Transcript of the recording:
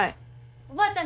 おばあちゃん